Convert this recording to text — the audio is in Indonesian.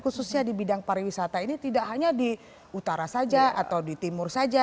khususnya di bidang pariwisata ini tidak hanya di utara saja atau di timur saja